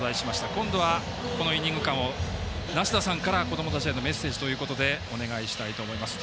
今度は、このイニング間を梨田さんからこどもたちへのメッセージをお願いしたいと思います。